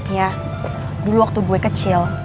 ya dulu waktu gue kecil